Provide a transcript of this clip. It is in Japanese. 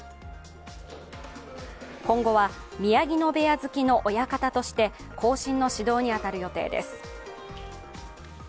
今後は宮城野部屋付きの親方として後進の指導に当たる予定です。